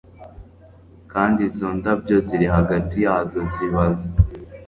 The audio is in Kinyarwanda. kandi izo ndabyo ziri hagati yazo zibaza